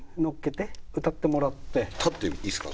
立っていいですか？